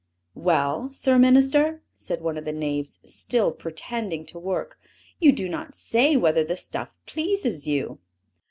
"Well, Sir Minister!" said one of the knaves, still pretending to work. "You do not say whether the stuff pleases you."